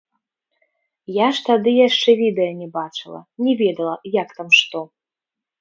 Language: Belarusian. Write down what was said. Я ж тады яшчэ відэа не бачыла, не ведала, як там што.